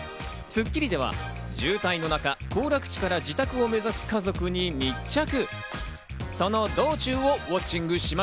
『スッキリ』では渋滞の中、行楽地から自宅を目指す家族に密着。